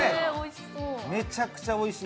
めちゃくちゃおいしい。